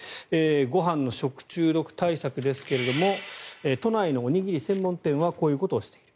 ご飯の食中毒対策ですが都内のおにぎり専門店はこういうことをしている。